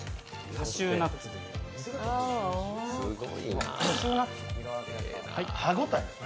カシューナッツです。